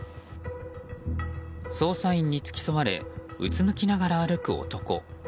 捜査員に付き添われうつむきながら歩く男。